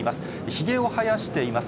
ひげを生やしています。